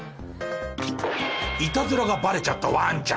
イタズラがバレちゃったワンちゃん。